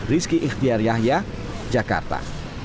rizky ikhtiar yahya jakarta